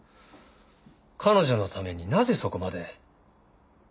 彼女のためになぜそこまで？